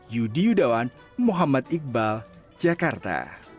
yudi yudawan muhammad iqbal jakarta